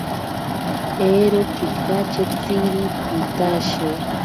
Ero pikachetziri pitashire.